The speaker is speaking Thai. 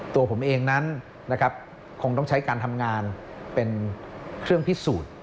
ตัวผมเองนั้นนะครับคงต้องใช้การทำงานเป็นเครื่องพิสูจน์